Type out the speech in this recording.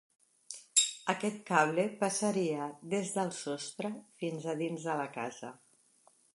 Aquest cable passaria des del sostre fins a dins de la casa.